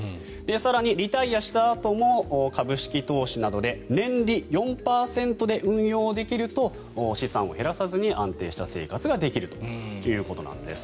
更に、リタイアしたあとも株式投資などで年利４％ぐらいで運用できると資産を減らさずに安定した生活ができるということなんです。